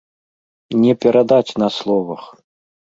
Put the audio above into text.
Не перадаць на словах!